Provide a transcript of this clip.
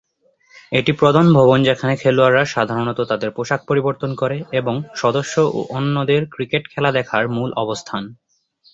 এটি প্রধান ভবন যেখানে খেলোয়াড়রা সাধারণত তাদের পোশাক পরিবর্তন করে এবং সদস্য ও অন্যদের ক্রিকেট খেলা দেখার মূল অবস্থান।